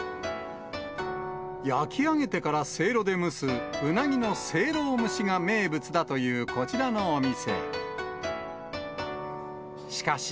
焼き上げてから、せいろで蒸す、うなぎのせいろう蒸しが名物だというこちらのお店。